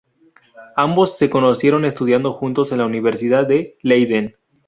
Ambos se conocieron estudiando juntos en la Universidad de Leiden.